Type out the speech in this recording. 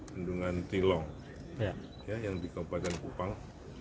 bendungan tilong yang di kabupaten kupang